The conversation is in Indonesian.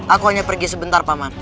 aku hanya pergi sebentar paman